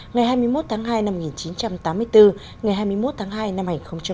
ngày hai mươi một tháng hai năm một nghìn chín trăm tám mươi bốn ngày hai mươi một tháng hai năm hai nghìn hai mươi